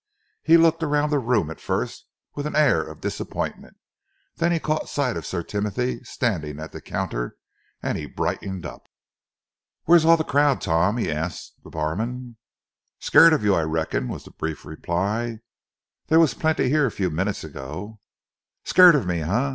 He looked around the room at first with an air of disappointment. Then he caught sight of Sir Timothy standing at the counter, and he brightened up. "Where's all the crowd, Tom?" he asked the barman. "Scared of you, I reckon," was the brief reply. "There was plenty here a few minutes ago." "Scared of me, eh?"